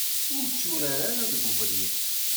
Ur tturar ara deg ubrid.